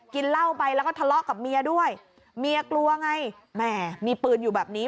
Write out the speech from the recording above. กินเหล้าไปแล้วก็ทะเลาะกับเมียด้วยเมียกลัวไงแหมมีปืนอยู่แบบนี้